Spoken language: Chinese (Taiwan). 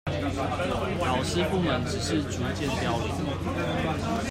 老師傅們只是逐漸凋零